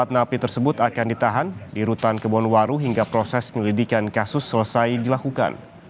empat napi tersebut akan ditahan di rutan kebonwaru hingga proses penyelidikan kasus selesai dilakukan